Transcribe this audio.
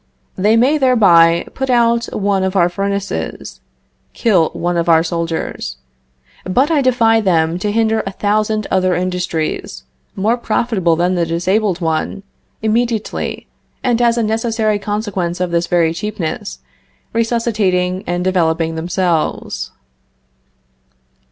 They may thereby put out one of our furnaces kill one of our soldiers; but I defy them to hinder a thousand other industries, more profitable than the disabled one, immediately, and, as a necessary consequence of this very cheapness, resuscitating and developing themselves.